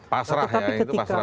pasrah ya itu pasrah